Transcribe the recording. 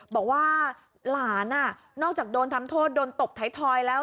บอกว่าหลานนอกจากโดนทำโทษโดนตบไทยทอยแล้ว